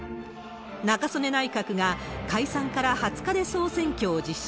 中曽根内閣が解散から２０日で総選挙を実施。